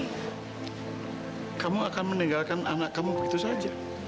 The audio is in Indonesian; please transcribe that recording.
karena kamu akan meninggalkan anak kamu begitu saja